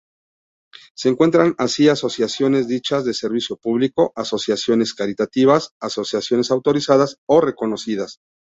Se encuentran así asociaciones dichas de servicio público, asociaciones caritativas, asociaciones autorizadas o reconocidas.